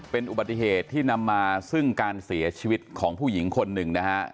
เป็นอุบัติเหตุที่นำมาซึ่งการเสียชีวิตของผู้หญิงคนหนึ่งนะฮะ